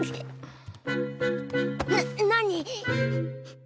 な何？